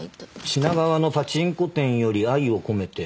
「品川のパチンコ店より愛をこめて。